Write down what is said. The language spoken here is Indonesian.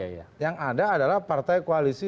yang ada adalah partai koalisi